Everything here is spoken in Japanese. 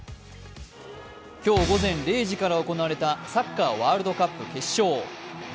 今日午前０時から行われたサッカーワールドカップ決勝。